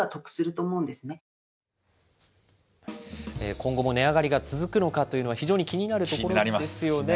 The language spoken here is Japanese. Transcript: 今後も値上がりが続くのかというのは、非常に気になるところですよね。